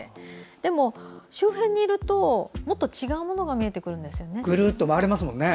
でも、周辺にいるともっと違うものが見えてくるんですよね。